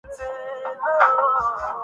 گھر ترا خلد میں گر یاد آیا